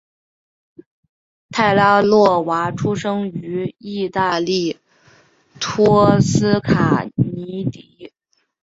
泰拉诺娃出生于义大利托斯卡尼的。